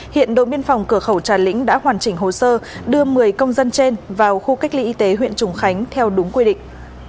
hiện đội biên phòng cửa khẩu trà lĩnh đã hoàn chỉnh hồ sơ đưa một mươi công dân trên vào khu cách ly y tế huyện trùng khánh theo đúng quy định